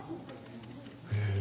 へえ。